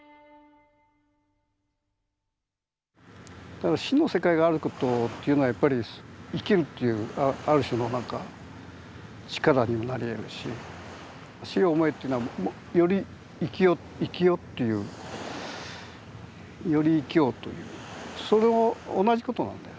だから死の世界があることというのはやっぱり生きるっていうある種の何か力にもなりえるし「死を想え」っていうのはより生きよ生きよっていうより生きようというそれも同じことなんだよ。